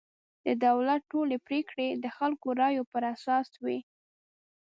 د دولت ټولې پرېکړې د خلکو رایو پر اساس وي.